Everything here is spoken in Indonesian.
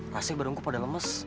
rasanya badungku pada lemes